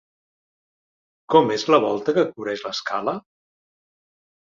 Com és la volta que cobreix l'escala?